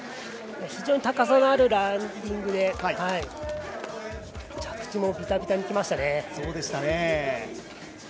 非常に高さのあるランディングで着地もビタビタに来ましたね。